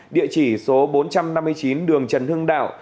địa chỉ số bốn trăm năm mươi chín đường trần hưng đạo